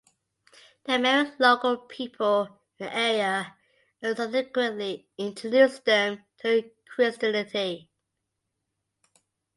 They married local people in the area and subsequently introduced them to Christianity.